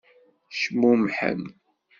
Cmumḥen.